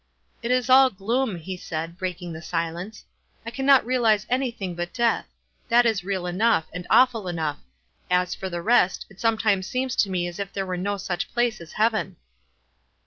"It is all gloom," he said, breaking the silence. "I can not realize anything but death. That is real enough, and awful enough ; as for the rest, it sometimes seems to me as if there were no such place as heaven."